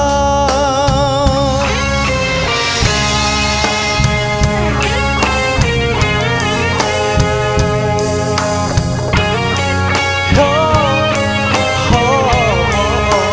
เพียงทุกอย่างไว้ตื่นให้ใจมันจำ